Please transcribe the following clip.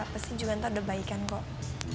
pasti juga nanti ada baikan kok